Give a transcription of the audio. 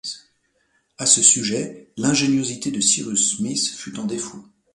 À ce sujet, l’ingéniosité de Cyrus Smith fut en défaut.